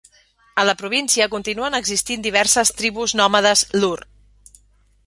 A la província continuen existint diverses tribus nòmades Lur.